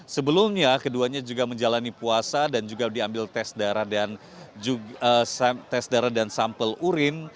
sebelumnya keduanya juga menjalani puasa dan juga diambil tes darah dan sampel urin